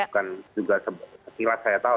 tidak sekilas saya tahu